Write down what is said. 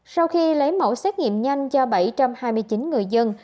sau khi lấy mẫu xét nghiệm nhanh cho bảy trăm hai mươi chín người dân